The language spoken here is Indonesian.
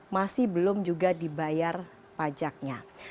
masih belum juga dibayar pajaknya